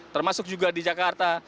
termasuk juga di jakarta